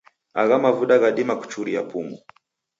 Agha mavuda ghadima kuchuria pumu.